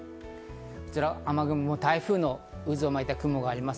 雨雲、台風の渦を巻いた雲があります。